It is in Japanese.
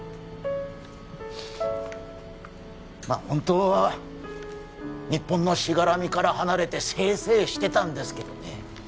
まあ本当は日本のしがらみから離れて清々してたんですけどね